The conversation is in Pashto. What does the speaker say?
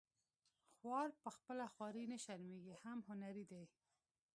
خوار په خپله خواري نه شرمیږي هم هنري دی